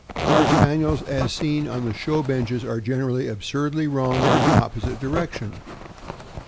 * Our Spaniels, as seen on the show benches, are generally absurdly wrong in the opposite direction.